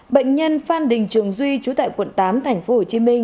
bệnh nhân phan đình trường duy trú tại quận tám tp hcm